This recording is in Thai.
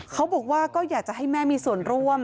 เขาบอกว่าก็อยากจะให้แม่มีส่วนร่วม